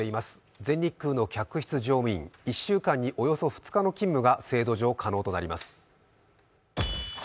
全日空の客室乗務員、１週間におよそ２日の勤務が制度上、可能となります。